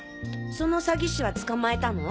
その詐欺師は捕まえたの？